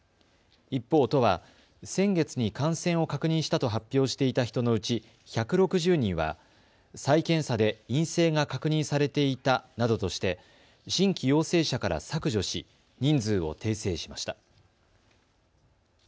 一方、都は先月に感染を確認したと発表していた人のうち１６０人は再検査で陰性が確認されていたなどとして新規陽性者から削除し人数を訂正しました。